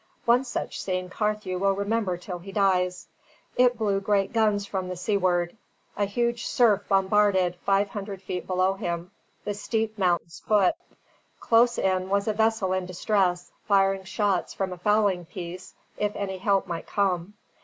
One such scene Carthew will remember till he dies. It blew great guns from the seaward; a huge surf bombarded, five hundred feet below him, the steep mountain's foot; close in was a vessel in distress, firing shots from a fowling piece, if any help might come.